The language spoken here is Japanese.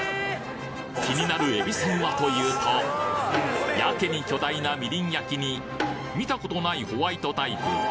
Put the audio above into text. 気になるえびせんはというとやけに巨大なみりん焼に見たことないホワイトタイプ。